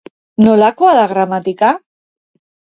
Nolakoa da gramatika?